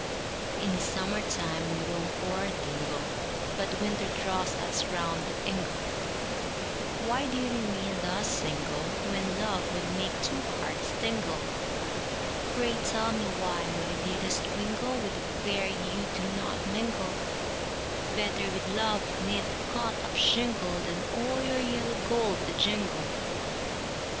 In summer time we roam o'er dingle, But winter draws us round the ingle, Why do you remain thus single, When love would make two hearts tingle, Pray, tell me why my dearest wingle, With the fair you do not mingle, Better with love 'neath cot of shingle, Than all your yellow gold to jingle.